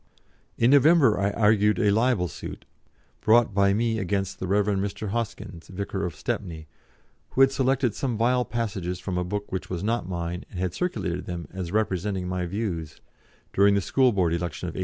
In November I argued a libel suit, brought by me against the Rev. Mr. Hoskyns, vicar of Stepney, who had selected some vile passages from a book which was not mine and had circulated them as representing my views, during the School Board election of 1888.